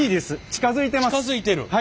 近づいてる。